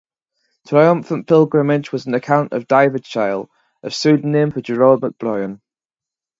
"Triumphant Pilgrimage" was an account of "David Chale", a pseudonym for Gerard MacBryan.